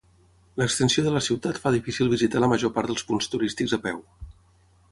L'extensió de la ciutat fa difícil visitar la major part dels punts turístics a peu.